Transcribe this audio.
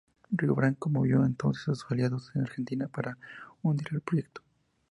Río Branco movió entonces a sus aliados en Argentina para hundir el proyecto.